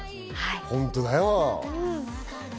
本当だよ。